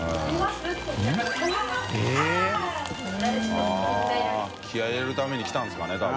◆舛気合入れるために来たんですかね多分。